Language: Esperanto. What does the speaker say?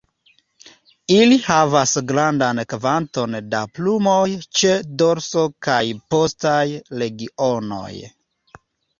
Ili havas grandan kvanton da plumoj ĉe dorso kaj postaj regionoj.